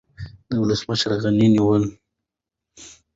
د ولسمشر غني نیولې